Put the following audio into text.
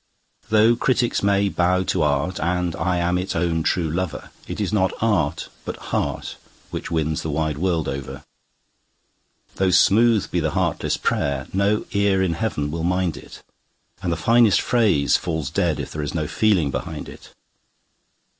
Though critics may bow to art, and I am its own true lover, It is not art, but heart, which wins the wide world over. Though smooth be the heartless prayer, no ear in Heaven will mind it, And the finest phrase falls dead if there is no feeling behind it.